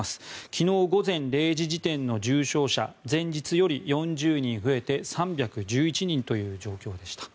昨日午前０時時点の重症者前日より４０人増えて３１１人という状況でした。